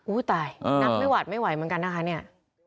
ตายนับไม่หวาดไม่ไหวเหมือนกันนะคะเนี่ย